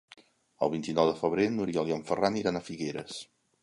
El vint-i-nou de febrer n'Oriol i en Ferran iran a Figueres.